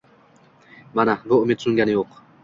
Mana, bu umid so‘ngani yo‘q.